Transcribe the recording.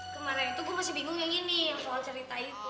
kemarin itu gue masih bingung yang ini soal cerita itu